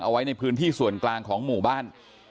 เอาไว้ในพื้นที่ส่วนกลางของหมู่บ้าน